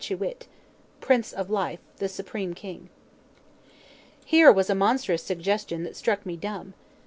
[Footnote: Chow che witt, "Prince of life," the supreme king.] Here was a monstrous suggestion that struck me dumb.